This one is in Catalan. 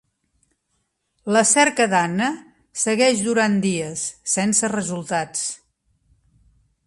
La cerca d'Anna segueix durant dies, sense resultats.